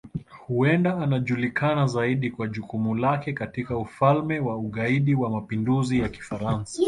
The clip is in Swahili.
Huenda anajulikana zaidi kwa jukumu lake katika Ufalme wa Ugaidi wa Mapinduzi ya Kifaransa.